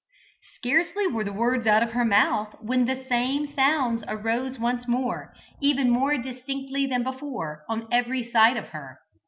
Scarcely were the words out of her mouth, when the same sounds arose once more, even more distinctly than before, on every side of her.